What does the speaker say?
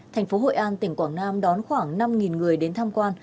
thành phố hội an tỉnh quảng nam đón khoảng năm người đến tham quan